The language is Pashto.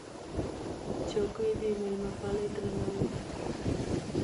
چوکۍ د مېلمهپالۍ درناوی دی.